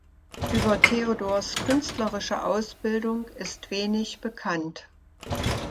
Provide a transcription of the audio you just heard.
Über Theodors künstlerische Ausbildung ist wenig bekannt.